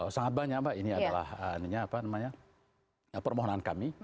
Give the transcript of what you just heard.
sangat banyak mbak ini adalah permohonan kami